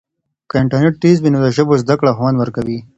که انټرنیټ تېز وي نو د ژبو زده کړه خوند ورکوي.